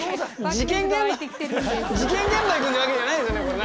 事件現場に行くってわけじゃないですよねこれ。